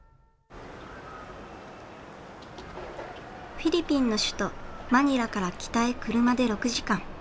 フィリピンの首都マニラから北へ車で６時間。